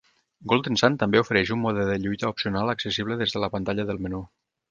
"Golden Sun" també ofereix un mode de lluita opcional accessible des de la pantalla del menú.